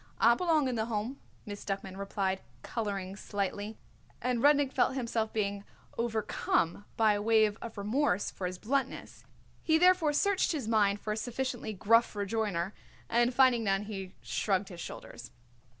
"I belong in the Home," Miss Duckman replied, colouring slightly, and Rudnik felt himself being overcome by a wave of remorse for his bluntness. He therefore searched his mind for a sufficiently gruff rejoinder, and finding none he shrugged his shoulders.